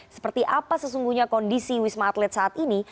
seperti apa sesungguhnya kondisi wisma atlet saat ini